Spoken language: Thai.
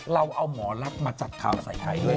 เราเอาหมอลับมาจัดข่าวใส่ไข่ด้วย